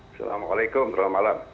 assalamualaikum selamat malam